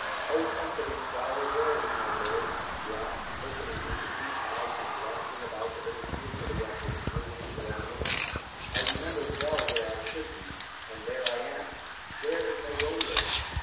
"O comforting Friar, where is my lord?" she asked, opening her sweet eyes, and glancing about a little fearfully at her dreary surroundings. "I remember well where I should be, and there I am. Where is my Romeo?"